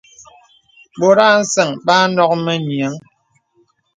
Bɔ̀t a nsə̀ŋ bə a nok mə nyìəŋ.